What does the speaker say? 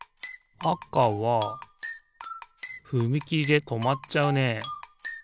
あかはふみきりでとまっちゃうね。